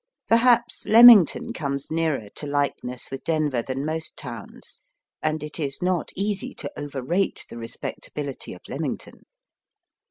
Perhaps Leamington comes nearer to Ukeness with Denver than most towns, and it is not easy to overrate the respectabihty of Leamington.